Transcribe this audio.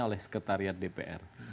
oleh sekretariat dpr